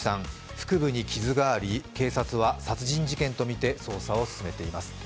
腹部に傷があり警察は殺人事件とみて調べを進めています。